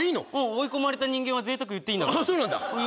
追い込まれた人間は贅沢言っていいんだからそうなんだ！？